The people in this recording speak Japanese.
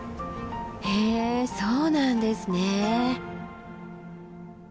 へえそうなんですね。